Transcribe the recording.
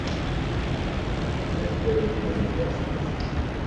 La dualité monétaire se poursuit.